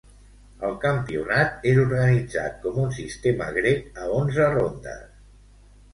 El campionat és organitzat com un sistema grec a onze rondes.